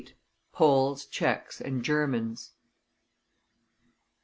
POLES, TSCHECHS, AND GERMANS.